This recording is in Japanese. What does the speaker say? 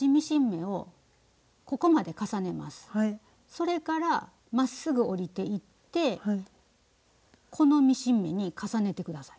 それからまっすぐ下りていってこのミシン目に重ねて下さい。